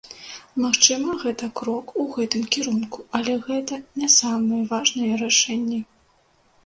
Магчыма, гэта крок у гэтым кірунку, але гэта не самыя важныя рашэнні.